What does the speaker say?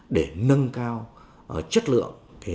để phát triển nông nghiệp công nghệ cao